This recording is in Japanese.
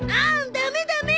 ダメダメ！